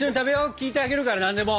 聞いてあげるから何でも。